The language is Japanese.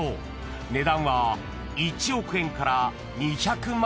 ［値段は１億円から２００万円］